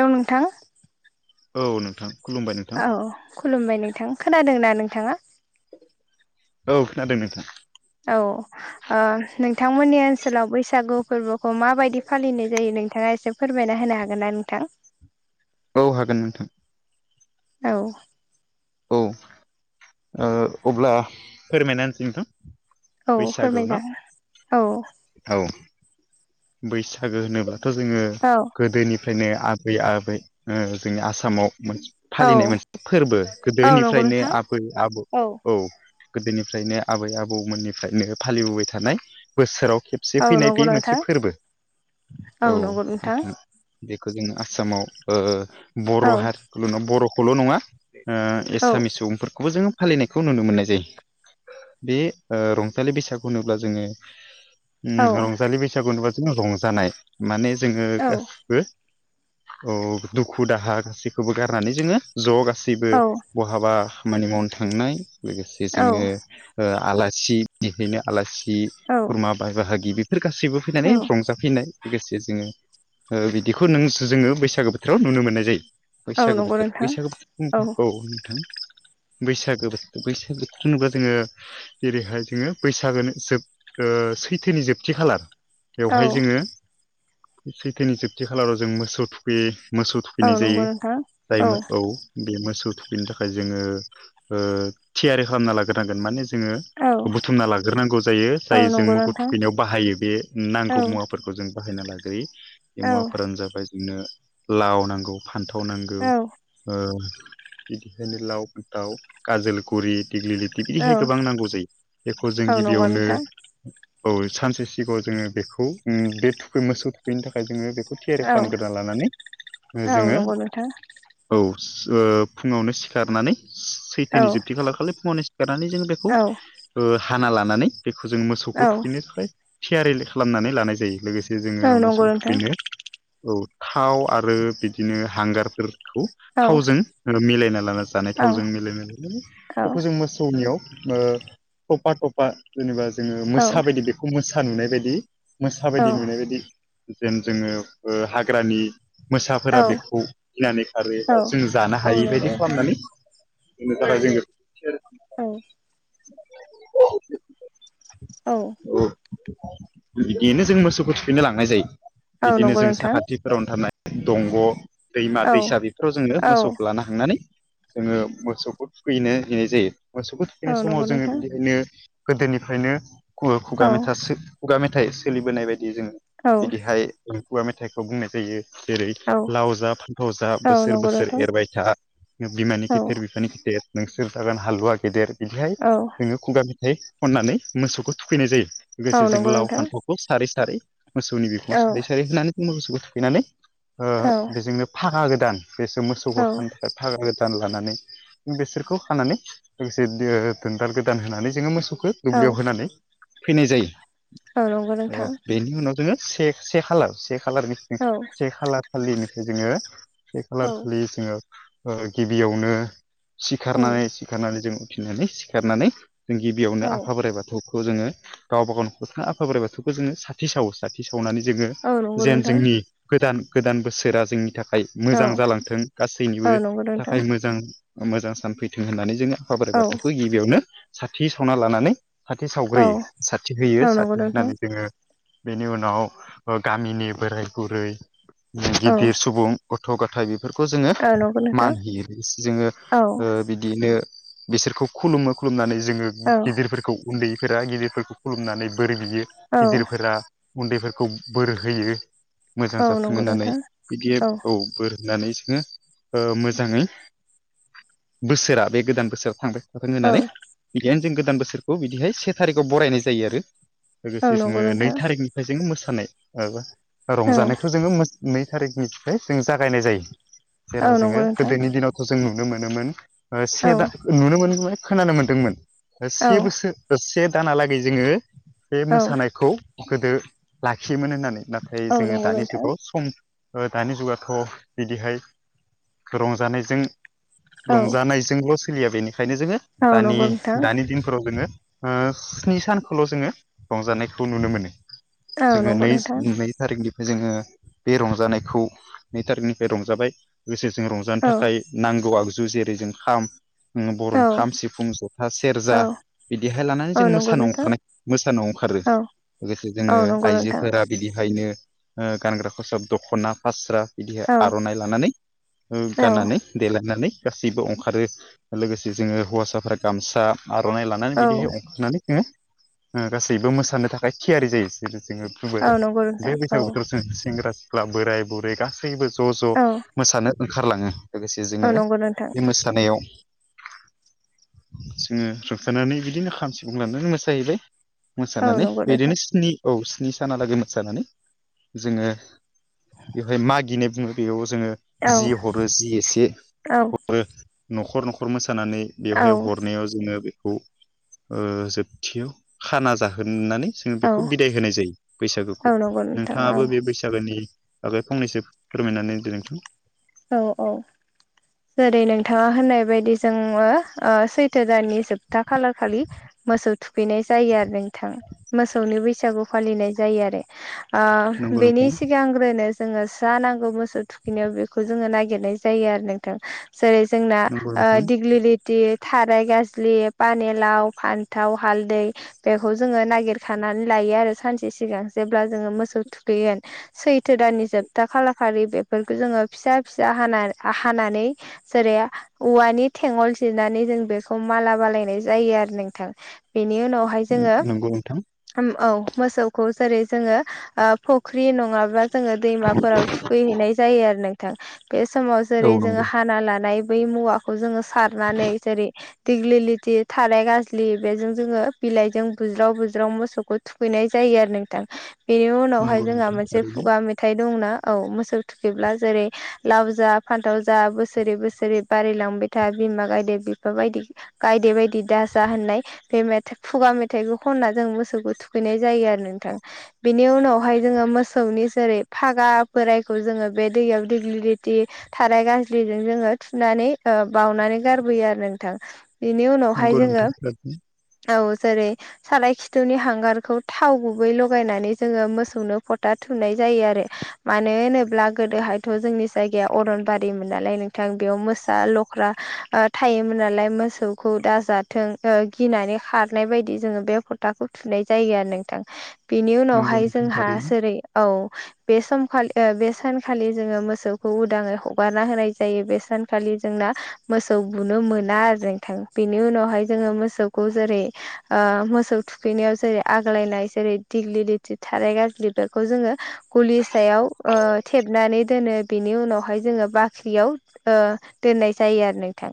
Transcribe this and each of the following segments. हेल' नोंथां औ नोंथां खुलुमबाय नोंथां औ खुलुमबाय नोंथां खोनादोंना नोंथाङा औ खोनादों नोंथां औ नोंथांमोननि ओनसोलाव बैसागु फोरबोखौ माबायदि फालिनाय जायो नोंथाङा एसे फोरमायना होनो हागोन ना नोंथां औ हागोन नोंथां औ औ अब्ला फोरमायना होनोसै नोंथां औ बैसागो ना फोरमायजागोन औ औ बैसागो होनोब्लाथ' जोङो औ गोदोनिफ्राय ओमफ्रायनो आबै आबै जोंनि आसामाव मोनसे औ फालिनाय मोनसे फोरबो औ नंगौ गोदोनिफ्रायनो नोंथां आबै आबौ औ गोदोनिफ्रायनो आबै आबौमोननिफ्रायनो फालिबोबाय थानाय बोसोराव खेबसे औ फैनाय बे नंगौ मोनसे नोंथां फोरबो औ नोंथां बेखौ जोङो आसामाव औ बर' हारिल' नङा बर'खौल' नङा औ एसामिस सुबुंफोरखौबो जोङो फालिनायखौ नुनो मोननाय जायो बे रंथालि बैसागु होनोब्ला जोङो रंजालि बैसागु होनबा जों रंजानाय माने जोङो गासिबो औ दुखु दाहा गासैखौबो गारनानै जोङो ज' गासैबो बहाबा खामानि मावनो थांनाय लोगोसे जोङो आलासि बेहायनो आलासि औ खुरमा बाय बाहागि बेफोर गासैबो फैनानै रंजा फैनाय लोगोसे जोङो बिदिखौ नों जोङो बैसागो बोथोराव नुनो मोननाय जायो बैसागो नंगौ बोथोर नोंथां बैसागो बोथोर औ नोंथां बैसागो बोथोर बैसागो बथोर नुबा जोङो जेरैहाय जोङो बैसागो जोब सैथोनि जोबथि खालार औ बेवहाय जोङो सैथोनि जोबथि खालाराव जों मोसौ थु बे मोसौ औ थुखैनाय नंगौ जायो नोंथां जाय औ बे मोसौ थखैनो थाखाय जोङो थियारि खालामना लाग्रोनांगोन माने जोङो औ बुथुमना लाग्रोनांगौ जायो जाय औ जों नंगौ मोखौ नोंथां थुखैनायाव बाहायो बे औ नांगौ मुवा फोरखौ जों बाहायना लाग्रययो बे औ मुवाफोरानो जाबाय जोंनो लाव नांगौ फान्थाव नांगौ बिदिखायनो लाव फथाव काजोलगुरि औ बिहाय गोबां नांगौ जायो बेखौ जों औ नंगौ गिबियावनो नोंथां औ सानसे सिगाङाव जोङो बेखौ बे थुखै मोसौ थुखैनो थाखाय जोङो बेखौ थ केयर औ खालामग्रोना लानानै औ जोङो नंगौ नोंथां औ फुङावनो सिखारनानै औ सैथोनि जोबथि खाला खालि फुङावनो गारनानै जों बेखौ औ हाना लानानै बेखौ जों औ मोसौखौ थुखैनो थाखाय थियारि खालामनानै लानाय जायो लोगोसे औ जोङो नंगौ मोसौनो नोंथां औ थाव आरो बिदिनो हांगारफोर खौ औ थावजों मिलायना लाना जानाय औ थावजों मिलायना औ बेखौ जों मो थफा थफा जेनेबा जोङो औ मोसा बायदि बेखौ मोसा नुनाय बायदि मोसा औ बायदि नुनाय बायदि जेन जोङो हाग्रानि औ मोसाफोरा बेखौ गिनानै खारोबा औ जों जानो औ हायै नंगौ बायदि नोंथां खालामनानै बुंनो थाखाय औ औ औ औ बिदियैनो जों मोसौखौ थुफैनो लांनाय जायो औ बिदिनो नंगौ जों नोंथां साखाथियाव रनथारनाय दंग' दैमा औ दैसा बेफोराव जोंङो औ मोसौखौ लानो हायो थांनानै जोङो मोसौखौ थुखैनो हैनाय जायो मोसौखौ औ थुखैनाय समाव नंगौ जोङो नोंथां बिदिहायनो गोदोनिफ्रायनोु खुगा औ मेथाइसो खुगा मेथाइ सोलिबोनाय बायदि जोङो औ बिदिहाय खुगा मेथाइखौ बुंनाय जायो जेरै औ लाव जा फान्थाव जा औ बोसोर नंगौ बोसोर नोंथां एरबाय था बिमानि औ खेथेर बिफानि खेथेर नोंसोर जागोन हालुवा गेदेर बिदिहाय औ जोङो खुगा मेथाइ खननानै मोसौखौ थुखैनाय जायो औ लोगोसे जों नंगौ लाव नोंथां फान्थावखौ सारै सारै मोसौनि बिफङा औ सारै सारै होनानै मोसौखौ थफैनानै बेजोंनो फागा गोदान बेसो औ मोसौखौ ओमफ्राय फागा गोदान लानानै बेसोरखौ हानानै लोगोसे दोनदाल गोदान होनानै जोङो मोसौखौ दुब्लियाव होनानै फैनाय औ नंगौ जायो नोंथां बेनि उनाव जोङो से से खालार से खालारनिफ्राय औ से खालार खालिनो जोङो से खालार औ खालि जोङो गिबियावनो सिखारनानै औ सिखारनानै जों फिनानै सिखारनानै जों गिबियावनो औ आफा बोराइ बाथौ खौ जोङो गावबा गाव न'खर थ आफा बोराइ बाथौखौ जोङो साथि सावो साथि सावनानै जोङो औ नंगौ जेन जोंनि नोंथां गोदान गोदान बोसोरा जोंनि थाखाय मोजां औ जालांथों औ गासैनिबो नंगौ थाखाय नोंथां औ मोजां मोजां सानथि फैथों होननानै जोङो आफा बोराइ बाथौखौ गिबियावनो साथि सावना लानानै साथि सावग्रोयो औ साथि होयो औ नंगौ साथि नोंथां होनानै जोङो बेनि उनाव गामिनि बोराय बुरै औ गिदिर सुबुं गथ' गथाइ बेफोरखौ जोङो औ नंगौ नोंथां मान होयो लोगोसे जोङो औ बि बिनो बिसोरखौ खुलुमो खुलुमनानै जोङो औ गिदिरफोर उन्दैफोरा गिदिरफोरखौ खुलुमनानै बोर बियो औ गिदिरफोरा उन्दैफोरखौ बोर होयो मोजां औ जाथों नंगौ होननानै नोंथां बिदि औ बोर होननानै जोङो मोजाङै बोसोरा बे गोदान बोसोराव थांबाय मखां औ होनानै बिदिखायनो जों गोदान बोसोरखौ बिदिहाय से थारिखआव बरायनाय जायो आरो औ लोगोसे नंगौ जोङो नै नोंथां थारिखनिफ्राय जोङो मोसानायाबा औ रंजानायखौ जोङो नै थारिखनिफ्राय जों जागायनाय जायो औ जेराव नंगौ जोङो नोंथां गोदोनि दिनावथ' जों नुनो मोनोमोन औ से दा नुनो मोनदों खोनानो मोन्दोंमोन औ से बोसोर दसे दानालागै जोङो बे औ मोसानायखौ गोदो लाखियोमोन होननानै नाथाय औ जोङो नंगौ दानि नोंथां जुगाव सम दानि जुगाथ' बिदिहाय रंजानायजों औ रंजानायजों जोंल' सोलिया बेनिखायनो जोङो औ दानि नंगौ नोंथां दानि फोराव जोङो स्नि सानखौल' जोङो रंजानायखौ नुनो मोनो औ जोङो नंगौ नोंथां नैजि नै थारिखनिफ्राय जोङो बे रंजानायखौ नै थारिखनिफ्राय रंजाबाय स जों औ रंजानो थाखाय नांगौ आगजु जेरै जों खाम औ बर'नि खाम सिफुं जथा सेरजा दहाय लानानै औ जोंङो नंगौ नोंथां औ नंगौ नोंथां औ मोसानायाव औ नंगौ ओंखारो नोंथां औ लोगोसे औ जोङो नंगौ नोंथां आइजोफोरा बिदिहायनो गानग्रा खसाब दख'ना फास्रा बिदिहाय औ आर'नाइ लानानै गाननानै देलायनानै गासैबो ओंखारो लोगोसे जोङो हौवासाफोरा गामसा आरो आर'नाय लानानै बिदिहाय ओंखारनानै जोङो गासैबो मोसानो थाखाय थियारि जायो जोङो नंगौ बे नोंथां औ बैसागु बोथोराव जों सेंग्रा सिख्ला बोराय बुरै गासैबो ज' ज' औ मोसानो ओंखारलाङो लोगोसे औ औ जोङो नंगौ नोंथां बे मोसानायाव जोङो रंजानानै बिदिनो खाम सिफुं लानानै मोसाहैबाय मोसानानै बिदिनो स्नि औ स्नि सानालागै मोसानानै जोङो बेवहाय मागिनाय बुङो बेयाव जोङो जि हरो जि एसे हरो न'खर न'खर मोसानानै बेवहाय हरनायाव जोङो बेखौ जोबथियाव खाना जाहोनानै जों बेखौ बिदाय होनाय जायो बैसागोखौ नोंथाङाबो बे बैसागोनि आगाय फंनैसो फोरमायनानै दिनैथों औ औ जेरै नोंथाङा होननाय बायदि जोङो सैथो दाननि जोबथा खालार खालि मोसौ थुखैनाय जायो आरो नोंथां मोसौनि बैसागु फालिनाय जायो आरो नंगौ बेनि नोंथां सिगांग्रोनो जोङो जा नांगौ मोसौ थुखैनायाव बे खौ जोङो नागिरनाय जायो आरो नोंथां जेरै जोंना नंगौ नोंथां दिगलिलिटि थाराय गाज्लि पानिलाव फान्थाव हालदै बेखौ जोङो नागिरखानानै लायो आरो सानसे सिगां जेब्ला जोङो मोसौ थुखैगोन सैथो दाननि जोबथा खालार खारि बेफोरखौ जोङो फिसा फिसा हा हानानै जेरै औवानि थेंगल जिरनानै जों बेखौ माला बालायनाय जायो आरो नोंथां बिनि उनाव बे जोङो नंगौ नोंथां औ मोसौखौ जेरै जोङो फुख्रि नङाबा जोङो दैमाफोराव थुखैहैनाय जायो आरो नोंथां बे समाव औ जेरै जोङो नंगौ हाना लानाय बै मुवाखौ जोङो सारनानै जेरै दिग्लि लथि थाराय गाज्लि बेजों जोङो बिलाइजों बुज्राव बुज्राव मोसौखौ थुखैनाय जायो आरो नोंथां बेनि उनावहाय नंगौ जोंहा नोंथां मोनसे थारैनो खुगा मेथाइ दंना औ मोसौ थुखैब्ला जेरै लाव जा फान्थाव जा बोसोरै बोसोरै बारायलांबाय था बिमा गायदेर बिफा बायदि गायदे बायदि दाजा होननाय बे मेथाइ खुगा मेथाइखौ खनना जों मोसौखौ थुखैनाय जायो आरो नोंथां बेनि उनावहाय जोङो मोसौनि जेरै फागा बोरायखौ जोङो बे दैयाव दिगलि लिथि थाराय गाजलिजों जोङो थुनानै बाउनानै गारबोयो आरो नोंथां बेनि नंगौ उनावहाय जोङो नोंथां थारैनो औ जेरै सालाय खिथौनि हांगारखौ थाव गुबै लगायनानै जोङो मोसौनो फथा थुनाय जायो आरो मानो होनोब्ला गोदोहाय थ' जोंनि जायगाया अरनबारिमोन नालाय नोंथां बेयाव मोसा लख्रा थायोमोन नालाय मोसौखौ दाजाथों गिनानै खारनाय बायदि जोङो बे फथाखौ थुनाय जायो आरो नोंथां बेनि नंगौ उनावहाय नोंथां जोंहा थारैनो जेरै औ बे समखालि बे सानखालि जोङो मोसौखौ उदाङै हगारना होनाय जायो बे सानखालि जोंना मोसौ बुनो मोना आरो जों थां बेनि उनावहाय जोङो मोसौखौ जेरै मोसौ थुखैनायाव जेरै आग्लायनाय जेरै दिग्लि लिथि थाराय गाज्लि बेखौ जोङो गुलि सायाव थेबनानै दोनो बेनि उनावहाय जोङो बाख्रियाव दोननाय जायो आरो नोंथां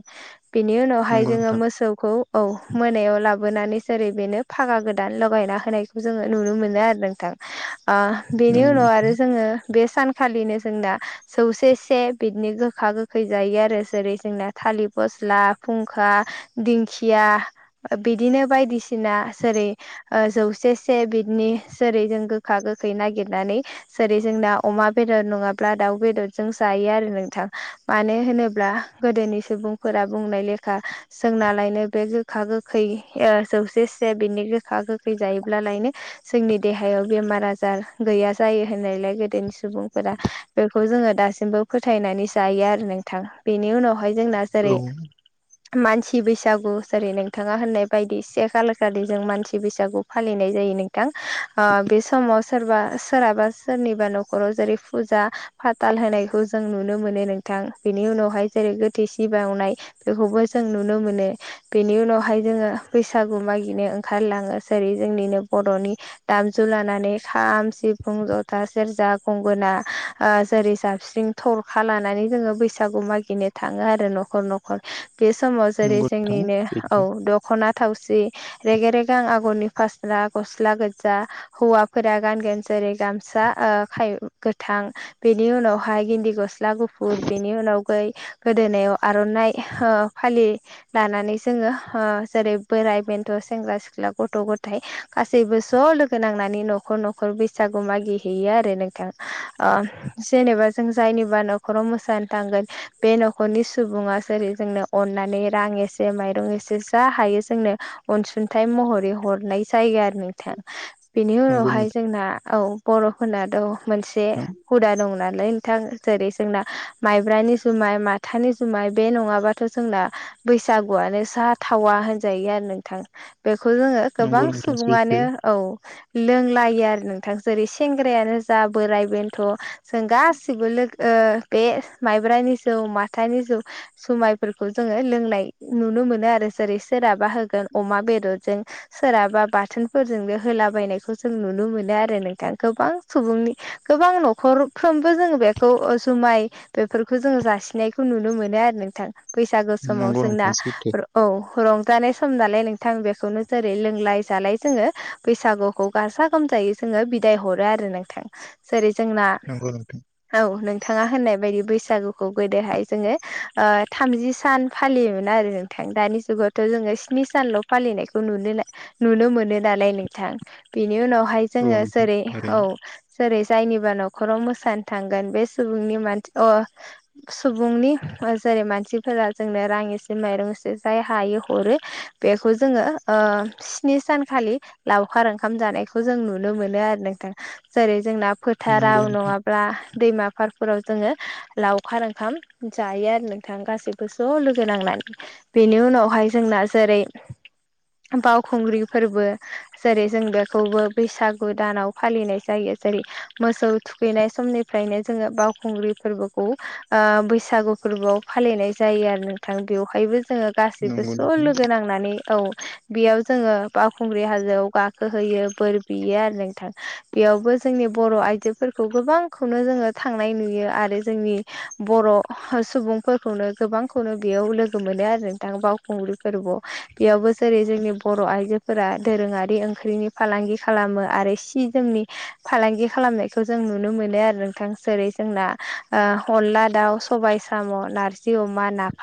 बिनि उनावहाय नंगौ जोङो नोंथां मोसौखौ औ मोनायाव लाबोनानै जेरै बेनो फागा गोदान लगायना होनायखौ जोङो नुनो मोनो आरो नोंथां बेनि नंगौ उनाव आरो जोङो बे सानखालिनो जोंना जौसे से बिदिनो गोखा गोखै जायो आरो जेरै जोंना थालिर फस्ला फुंखा दिंखिया बिदिनो बायदिसिना जेरै जौसे से बिदनि जेरै जों गोखा गोखै नागिरनानै जेरै जों दा अमा बेदर नङा ला दाउ बेदरजों जायो आरो नोंथां मानो होनोब्ला गोदोनि सुबुं फोरा बुंनाय लेखा जोंनालायनो बे गोखा गोखै जौसेसे बिनि गोखा गोखै जायोब्लालायनो जोंनि देहायाव बेमार आजार गैया जायो होननायलाय गोदोनि सुबुंफोरा बेखौ जोङो दासिमबो फोथायनानै जायो आरो नोंथां बेनि उनावहाय जोंना औ जेरै मानसि बैसागु जेरै नोंथाङा होननाय बायदि एसे खालार खालि जों मानसि बैसागु फालिनाय जायो नोंथां बे समाव सोरबा सोरहाबा सोरनिबा न'खराव जेरै फुजा फाथाल होनायखौ जों नुनो मोनो नोंथां बेनि उनावहाय जेरै गोथै सि बावनाय बेखौबो जों नुनो मोनो बेनि उनावहाय जोङो बैसागु मागिनो ओंखारलाङो जेरै जोंनिनो बर'नि दामजु लानानै खाम सिफुं जथा सेरजा गंगोना जेरै जाबस्रिं थरखा लानानै जोङो बैसागु मागिनो थाङो आरो न'खर न'खर बे समाव जेरै नंगौ नोंथां जोंनिनो सैथो औ खना थावसि रेगे रेगां आगरनि फास्ला गस्ला गो्जा हौवाफोरा गानगोन जेरै गामसा खाय गोथां बेनि उनावहाय गिन्दि गस्ला गुफुर बेनि उनाव यै गोदोनायाव आर'नाइ ओ फालि लानानै जोङो ओ जेरै बोराइ बेन्थ' सेंग्रा सिख्ला गथ' गथाइ गासैबो ज' लोगो नांनानै नखर नखर बैसागु मागि हैैयो आरो नोंथां ओ जेनेबा जों जायनिबा नखराव मोसानो थांगोन बे नखरनि सुबुङा जेरै जोंनो अननानै रां एसे माइरं एसे जा हायो जोंनो अनसुंथाय महरै हरनाय जायो आरो नोंथां बेनि नंगौ उनावहाय नोंथां जोंना औ बर'फोरनाथ' मोनसे हुदा दं नालाय नोंथां जेरै जोंना माइब्रानि जुमाय माथानि जुमाय बे नङाबा थ' जोंना बैसागुआनो जाथावा होनजायो आरो नोंथां बेखौ जोङो नंगौ गोबां नोंथां सैथो सुबुङानो औ लोंलायो आरो नोंथां जेरै सेंग्रायानो जा बोराइ बे थ' जों गासिबो लोगो बे माइब्रानि जौ माथानि जौ जुमायफोरखौ जोङो लोंनाय नुनो मोनो आरो जेरै सोरहाबा होगोन अमा बेदरजों सोरहाबा बाथोनफोरजोंनो होलाबायनायखौ जों नुनो मोनो आरो नोंथां गोबां सुबुंनि गोबां नखरफ्रोमबो जोङो बेखौ जुमाय बेफोरखौ जोङो जासिनायखौ नुनो मोनो आरो नोंथां बैसागु समाव नंगौ जोंना नोंथां सैथो औ रंजानाय सम नालाय नोंथां बेखौनो जेरै लोंलाय जालाय जोङो बैसागुखौ गाजा गोमजायै जोङो बिदाय हरो आरो नोंथां जेरै जोंना नंगौ नोंथां औ नोंथाङा होननाय बायदि बैसागुखौ गोदोहाय जोङो ओ थामजि सान फालियोमोन आरो नोंथां दानि जुगावथ' जोङो स्नि सानल' फालिनायखौ नुनोला नुनो मोनो नालाय नोंथां बेनि उनावहाय औ जोङो नोंथां जेरै औ थारैनो जेरै जायनिबा नखराव मोसानो थांगोन बे सुबुंनि मानसि अ सुबुंनि जेरै मानसिफोरा जोंनो रां एसे माइरं एसे जाय हायो हरो बेखौ जोङो ओ स्नि सानखालि लावखार ओंखाम जानायखौ जों नुनो मोनो आरो नोंथां जेरै जोंना नंगौ फोथाराव नोंथां नङा ब्ला दैमा फारफोराव जोङो लावखार ओंखाम जायो आरो नोंथां गासैबो ज' लोगो नांनानै बेनि उनावहाय जोंना जेरै बावखुंग्रि फोरबो जेरै जों बेखौबो बैसागु दानाव फालिनाय जायो जेरै मोसौ थुखैनाय समनिफ्रायनो जोङो बावखुंग्रि फोरबोखौ ओ बैसागु फोरबोआव फालिनाय जायो आरो नोंथां बेवहायबो जोङो गाैबो नंगौ नोंथां ज' लोगो नां नानै औ बेयाव जोङो बावखुंग्रि हाजोआव गाखोहोयो बोर बियो आरो नोंथां बेयावबो जोंनि बर' आइजोफोरखौ गोबांखौनो जोङो थांनाय नुयो आरो जोंनि बर' सुबुंफोरखौनो गोबांखौनो बेयाव लोगो मोनो आरो नोंथां बाव खुंग्रि फोरबो बेयावबो जेरै जोंनि बर' आइजोफोरा दोरोङारि ओंख्रिनि फालांगि खालामो आरो सि जोंनि फालांगि खालामनायखौ जों नुनो मोनो आरो नोंथां जेरै जोंना अनला दाउ सबाइ साम' नारजि अमा नाफाम